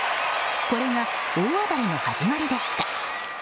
これが大暴れの始まりでした。